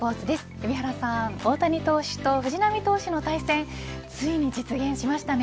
海老原さん大谷投手と藤浪投手の対戦ついに実現しましたね。